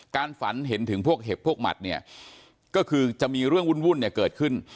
ฝันเห็นถึงพวกเห็บพวกหมัดเนี่ยก็คือจะมีเรื่องวุ่นเนี่ยเกิดขึ้น